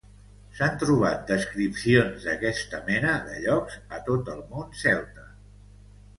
S'han trobat descripcions d'aquesta mena de llocs a tot el món celta.